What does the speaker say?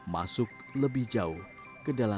masuk lebih kere